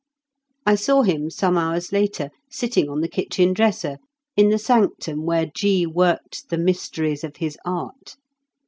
I saw him some hours later sitting on the kitchen dresser, in the sanctum where G. worked the mysteries of his art.